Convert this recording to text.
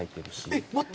えっ、待って。